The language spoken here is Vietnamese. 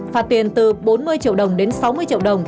phạt tiền từ bốn mươi triệu đồng đến sáu mươi triệu đồng